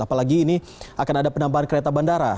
apalagi ini akan ada penambahan kereta bandara